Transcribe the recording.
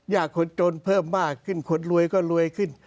คนจนเพิ่มมากขึ้นคนรวยก็รวยขึ้น